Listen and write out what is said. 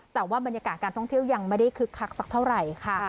แต่ว่าบรรยากาศการท่องเที่ยวยังไม่ได้คึกคักสักเท่าไหร่ค่ะ